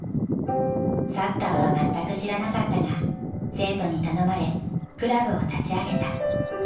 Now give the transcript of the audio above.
サッカーは全く知らなかったが生徒に頼まれクラブを立ち上げた。